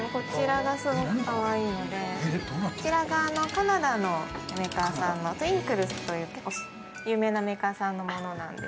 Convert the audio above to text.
こちらがカナダのメーカーさんのトウィンクルさんという有名なメーカーさんのものなんです。